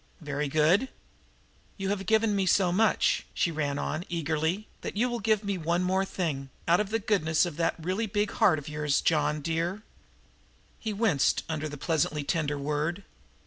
"Very good." "You have given so much," she ran on eagerly, "that you will give one thing more out of the goodness of that really big heart of yours, John, dear!" He winced under that pleasantly tender word.